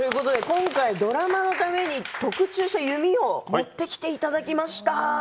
今回ドラマのために特注した弓を持ってきていただきました。